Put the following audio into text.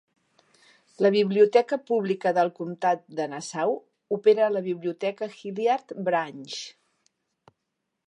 La Biblioteca pública del Comtat de Nassau opera la Biblioteca Hilliard Branch.